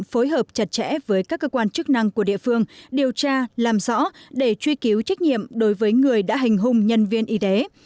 phối hợp chặt chẽ với các cơ quan chức năng của địa phương điều tra làm rõ để truy cứu trách nhiệm đối với người đã hành hung nhân viên y tế